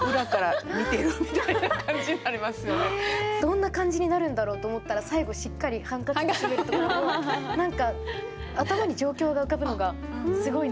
どんな感じになるんだろうと思ったら最後しっかりハンカチでしめるところも何か頭に状況が浮かぶのがすごいなと思いました